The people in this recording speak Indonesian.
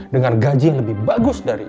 dengan gaji yang lebih bagus dari itu